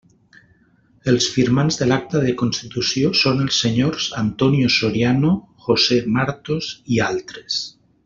Els firmants de l'acta de constitució són els senyors Antonio Soriano, José Martos i altres.